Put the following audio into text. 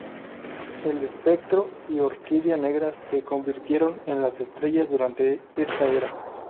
El Espectro y Orquídea Negra se convirtieron en las estrellas durante esta era.